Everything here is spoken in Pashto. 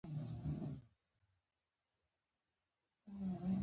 بېشکه، جګړن: اوضاع بېحده ډېره خرابه شوه.